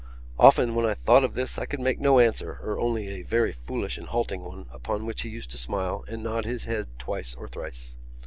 Often when I thought of this I could make no answer or only a very foolish and halting one upon which he used to smile and nod his head twice or thrice.